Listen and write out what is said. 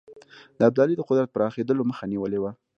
د ابدالي د قدرت پراخېدلو مخه نیولې وه.